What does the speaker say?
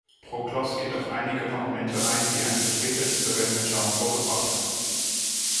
Proklos geht auf einige Argumente ein, die ein Vertreter dieser Weltanschauung vorgebracht hat.